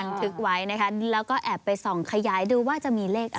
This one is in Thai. ทึกไว้นะคะแล้วก็แอบไปส่องขยายดูว่าจะมีเลขอะไร